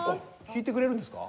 弾いてくれるんですか？